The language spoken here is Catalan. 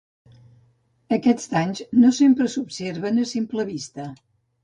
Aquests danys no sempre s’observen a simple vista.